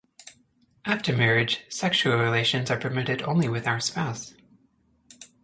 After marriage, sexual relations are permitted only with our spouse.